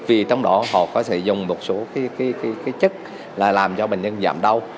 vì trong đó họ có sử dụng một số chất làm cho bệnh nhân giảm đau